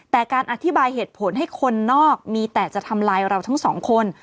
แต่การอธิบายเหตุผลให้คนนอกมีแต่จะทำลายเราทั้งสองคน